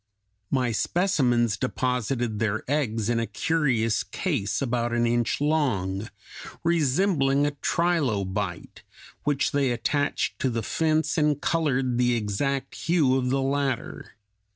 My specimens deposited their eggs in a curious case about an inch long, resembling a trilobite, which they attached to the fence and colored the exact hue of the latter.